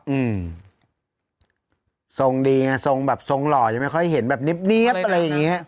อืมทรงดีไงทรงแบบทรงหล่อยังไม่ค่อยเห็นแบบเนี๊ยบอะไรอย่างเงี้ย